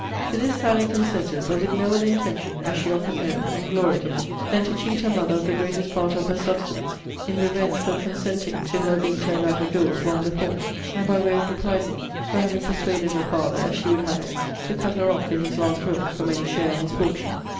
To this Sally consented; but with no other intention, as she often owned, (and gloried in it,) than to cheat her mother of the greatest part of her substance, in revenge for consenting to her being turned out of doors long before, and by way of reprisal for having persuaded her father, as she would have it, to cut her off, in his last will, from any share in his fortune.